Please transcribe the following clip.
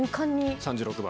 ３６番。